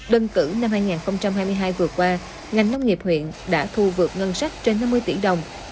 đơn cử năm hai nghìn hai mươi hai vừa qua ngành nông nghiệp huyện đã thu vượt ngân sách trên năm mươi tỷ đồng